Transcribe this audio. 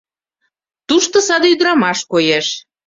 Тушто саде ӱдырамаш коеш.